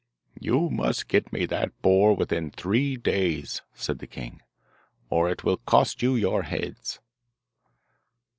'You must get me that boar within three days,' said the king, 'or it will cost you your heads.